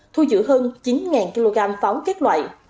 thu giữ hơn chín kg pháo kết loại